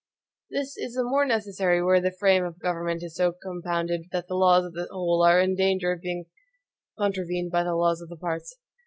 This is the more necessary where the frame of the government is so compounded that the laws of the whole are in danger of being contravened by the laws of the parts.